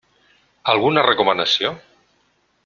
Alguna recomanació?